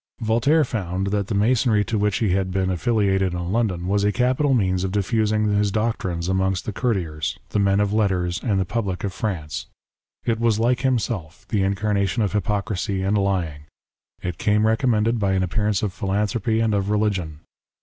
Voltaire found, that the Masonry to which he had been FREEMASONRY. 25 affiliated in London, was a capital means of dilFusing his doctrines among the courtiers, the men of letters, and the public of France. It was like himself, the incarnation of hypocrisy and lying. It came recommended by an appearance of philanthropy and of religion.